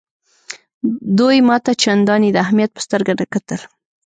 دوی ما ته چنداني د اهمیت په سترګه نه کتل.